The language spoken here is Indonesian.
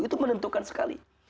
itu menentukan sekali